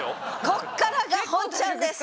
ここからが本チャンです！